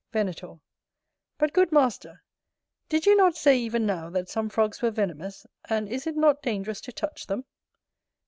Venator. But, good master, did you not say even now, that some frogs were venomous; and is it not dangerous to touch them?